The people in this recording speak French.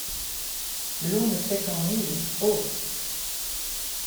l’on ne fait qu’en rire! oh !